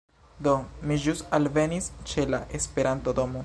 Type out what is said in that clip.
Do, mi ĵus alvenis ĉe la Esperanto-domo